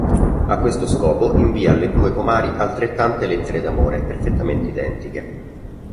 A questo scopo invia alle due comari altrettante lettere d'amore perfettamente identiche.